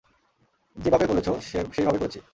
যেবাবে বলেছো সেই ভাবেই করেছি।